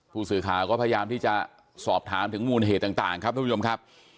ผู้สื่อข่าวก็พยายามที่จะสอบถามถึงมูลเหตุต่างครับทุกผู้ชมครับ